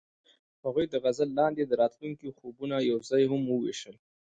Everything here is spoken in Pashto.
هغوی د غزل لاندې د راتلونکي خوبونه یوځای هم وویشل.